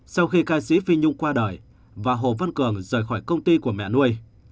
sau khi ca sĩ phi nhung qua đời và hồ văn cường rời khỏi công ty của mẹ nuôi